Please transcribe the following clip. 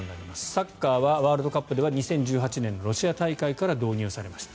サッカーはワールドカップでは２０１８年ロシア大会から導入されました。